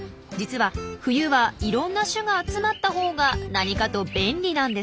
実は冬はいろんな種が集まったほうが何かと便利なんですよ。